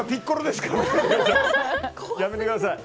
やめてください！